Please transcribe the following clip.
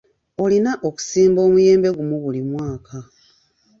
Olina okusimba omuyembe gumu buli mwaka.